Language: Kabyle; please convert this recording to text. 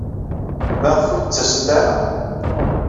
Maɣef ur d-ttasent ara?